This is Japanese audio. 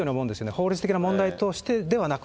法律的な問題としてではなく。